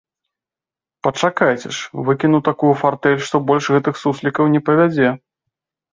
Пачакайце ж, выкіну такую фартэль, што больш гэтых суслікаў не павядзе!